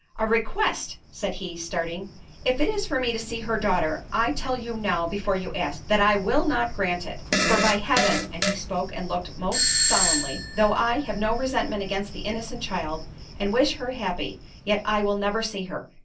"A request!" said he, starting, "If it is for me to see her daughter, I tell you now before you ask, that I will not grant it—for by heaven (and he spoke and looked most solemnly) though I have no resentment against the innocent child, and wish her happy, yet I will never see her.